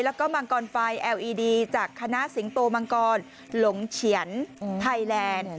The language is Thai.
แล้วก็มังกรไฟแอลอีดีจากคณะสิงโตมังกรหลงเฉียนไทยแลนด์